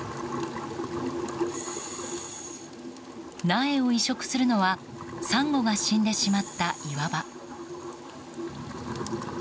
苗を移植するのはサンゴが死んでしまった岩場。